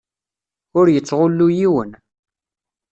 Ur yettɣullu yiwen.